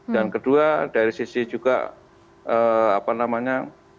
dan kedua dari sisi juga apa namanya